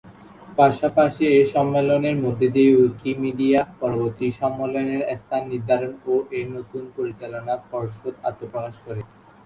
পাশাপাশি এ সম্মেলনের মধ্যদিয়ে উইকিমিডিয়া পরবর্তী সম্মেলনের স্থান নির্ধারণ ও এর নতুন পরিচালনা পর্ষদ আত্মপ্রকাশ করে।